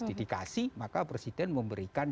dedikasi maka presiden memberikan